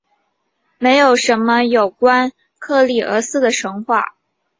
没有什么有关克利俄斯的神话。